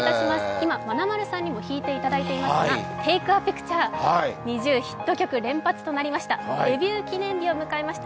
今、まなまるさんにも弾いていただいていますが「Ｔａｋｅａｐｉｃｔｕｒｅ」、ＮｉｚｉＵ、ヒット曲連発となりました。